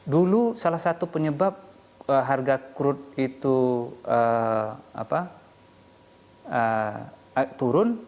dulu salah satu penyebab harga crude itu turun